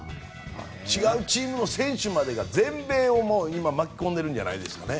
違うチームの選手までもが全米を巻き込んでるんじゃないですかね。